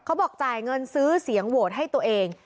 บอกจ่ายเงินซื้อเสียงโหวตให้ตัวเอง